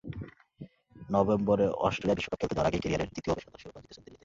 নভেম্বরে অস্ট্রেলিয়ায় বিশ্বকাপে খেলতে যাওয়ার আগেই ক্যারিয়ারের দ্বিতীয় পেশাদার শিরোপা জিতেছেন দিল্লিতে।